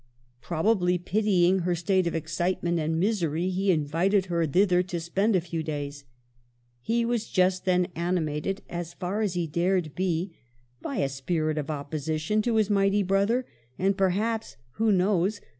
Probably pitying her state of excitement and misery, he invited her thither to spend a few days. He was just then animated, as far as he dared be, by a spirit of opposition to his mighty brother ; and perhaps — who knows